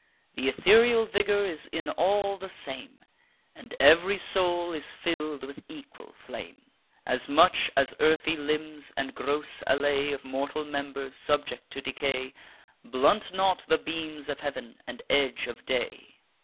Th' ethereal vigour is in all the same, And every soul is fill'd with equal flame; As much as earthy limbs, and gross allay Of mortal members, subject to decay, Blunt not the beams of heav'n and edge of day.